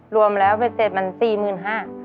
รวมแล้วเบ็ดเสร็จมัน๔๕๐๐บาท